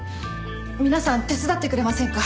皆さん手伝ってくれませんか？